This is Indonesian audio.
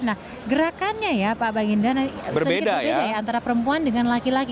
nah gerakannya ya pak bang indah sedikit berbeda ya antara perempuan dengan laki laki